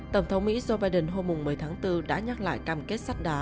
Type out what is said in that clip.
tổng thống mỹ joe biden hôm một mươi tháng bốn đã nhắc lại cam kết sắt đá